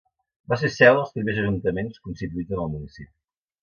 Va ser seu dels primers ajuntaments constituïts en el municipi.